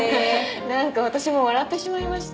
なんか私も笑ってしまいました